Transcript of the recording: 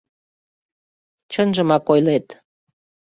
— Чынжымак ойлет!